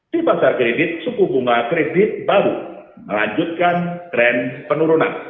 di pasar kredit suku bunga kredit baru melanjutkan tren penurunan